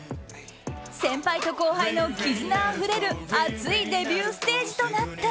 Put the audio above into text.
先輩と後輩の絆あふれる熱いデビューステージとなった。